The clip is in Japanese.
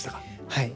はい。